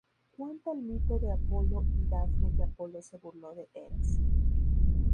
Cuenta el mito de Apolo y Dafne que Apolo se burló de Eros.